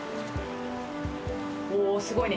おお、すごいね。